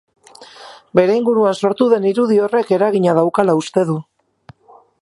Bere inguruan sortu den irudi horrek eragina daukala uste du.